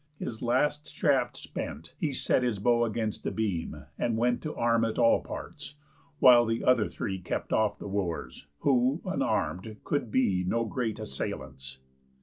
His last shaft spent, He set his bow against a beam, and went To arm at all parts, while the other three Kept off the Wooers, who, unarm'd, could be No great assailants.